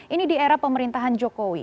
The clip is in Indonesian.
ini di era pemerintahan jokowi